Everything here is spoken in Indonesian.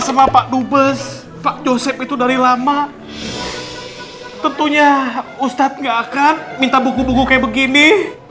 sama pak dubes pak josep itu dari lama tentunya ustadz gak akan minta buku buku kayak begini